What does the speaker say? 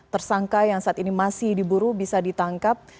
tersangka yang saat ini masih diburu bisa ditangkap